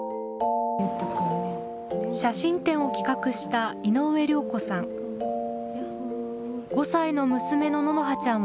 写真展を企画した井上涼子さん。